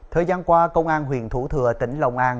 thời gian qua công an huyền thủ thừa tỉnh lòng an